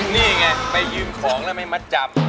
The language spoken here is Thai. นี่ไงไปยืมของแล้วไม่มัดจับ